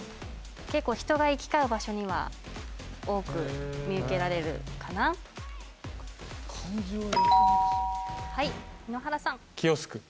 結構人が行き交う場所には多く見受けられるかなはい井ノ原さん